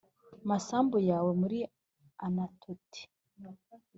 masambu yawe muri Anatoti